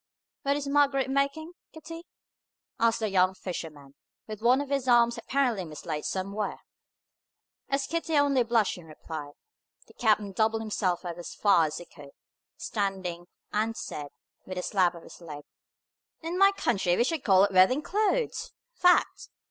"What is Margaret making, Kitty?" asked the young fisherman, with one of his arms apparently mislaid somewhere. As Kitty only blushed in reply, the captain doubled himself up as far as he could, standing, and said, with a slap of his leg, "In my country we should call it wedding clothes. Fact!